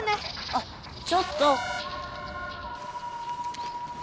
あっちょっと！